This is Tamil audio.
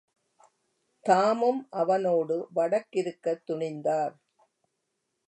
தாமும் அவனோடு வடக்கிருக்கத்துணிந்தார்.